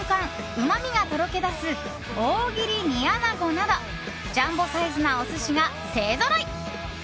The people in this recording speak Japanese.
うまみがとろけ出す大切り煮穴子などジャンボサイズなお寿司が勢ぞろい！